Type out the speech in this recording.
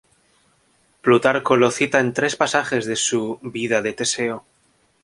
Plutarco lo cita en tres pasajes de su "Vida de Teseo".